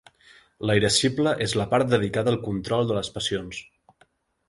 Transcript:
La irascible és la part dedicada al control de les passions.